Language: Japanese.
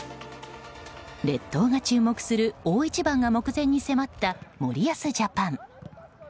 列島が注目する大一番が目前に迫った森保ジャパン。